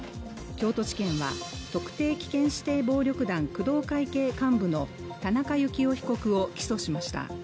京都地検は、特定危険指定暴力団・工藤会系幹部の田中幸雄被告を起訴しました。